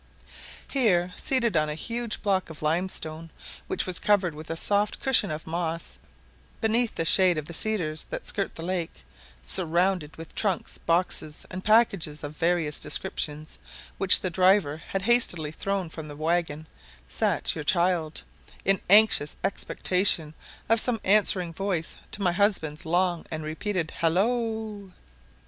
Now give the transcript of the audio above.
Here, seated on a huge block of limestone, which was covered with a soft cushion of moss, beneath the shade of the cedars that skirt the lake, surrounded with trunks, boxes, and packages of various descriptions, which the driver had hastily thrown from the waggon, sat your child, in anxious expectation of some answering voice to my husband's long and repeated halloo.